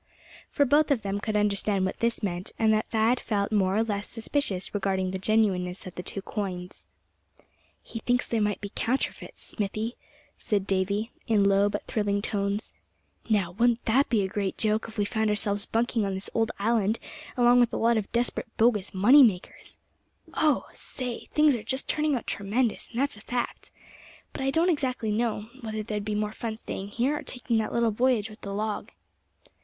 For both of them could understand what this meant, and that Thad felt more or less suspicious regarding the genuineness of the two coins. "He thinks they might be counterfeits, Smithy," said Davy, in low but thrilling tones. "Now wouldn't that be a great joke if we found ourselves bunking on this old island along with a lot of desperate bogus money makers! Oh! say, things are just turning out tremendous, and that's a fact. But I don't exactly know, whether there'd be more fun staying here, or taking that little voyage with the log."